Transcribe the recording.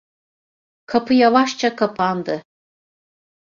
Kapı yavaşça kapandı.